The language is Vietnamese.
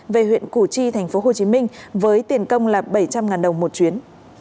về huyện củ chi tp hcm với tiền công là bảy trăm linh đồng một chuyến